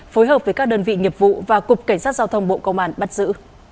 phối hợp với các đơn vị nghiệp vụ và cục cảnh sát giao thông bộ công an bắt giữ